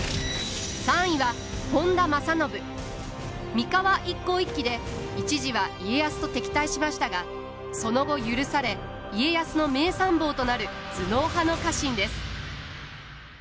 三河一向一揆で一時は家康と敵対しましたがその後許され家康の名参謀となる頭脳派の家臣です。